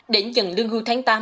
để nhận lương hưu tháng tám